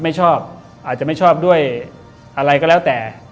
ไม่ชอบอาจจะไม่ชอบด้วยอะไรก็แล้วแต่